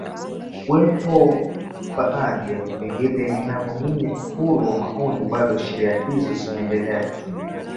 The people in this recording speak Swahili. kuwepo baadhi ya vipengele vinavyo minya uhuru wa maoni bado sheria hizo zimeendelea kutumiwa